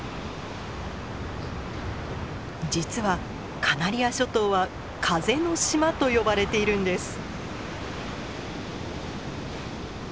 実はカナリア諸島は風の島と呼ばれているんです。